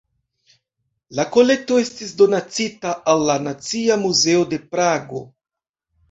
La kolekto estis donacita al la Nacia Muzeo de Prago.